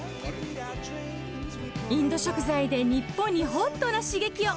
インド食材で日本にホットな刺激を！